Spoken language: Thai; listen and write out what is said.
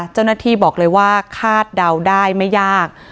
เจ้าหน้าที่บอกเลยว่าคาดเดาได้ไม่ยาก